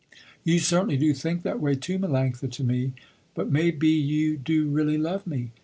You certainly do think that way, too, Melanctha to me. But may be you do really love me.